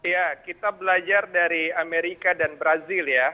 ya kita belajar dari amerika dan brazil ya